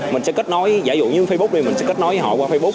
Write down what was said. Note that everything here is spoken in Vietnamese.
mình sẽ kết nối giả dụ như facebook này mình sẽ kết nối với họ qua facebook